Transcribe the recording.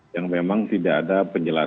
yang memang tidak ada penjelasan